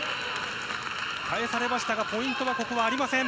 返されましたが、ポイントは、ここはありません。